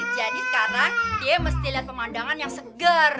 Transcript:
jadi sekarang dia mesti liat pemandangan yang seger